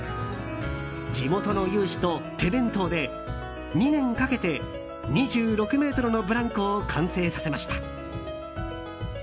地元の有志と手弁当で２年かけて２６ｍのブランコを完成させました。